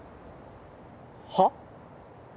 はっ？